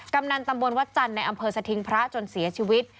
กำนันตำบลวัดจันทร์ในอำเภอสถิงพระจนเสียชีวิต